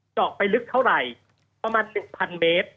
เจาะไปลึกเท่าไหร่ประมาณ๑๐๐เมตร